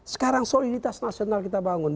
sekarang soliditas nasional kita bangun